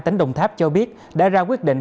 tỉnh đồng tháp cho biết đã ra quyết định